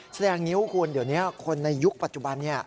แสดงงิ้วคุณเดี๋ยวนี้คนในยุคปัจจุบันนี้